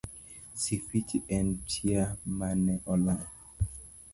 Sifichi en chia mane olal.